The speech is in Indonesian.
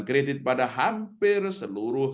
kredit pada hampir seluruh